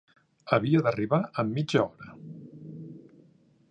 Havia d'arribar en mitja hora.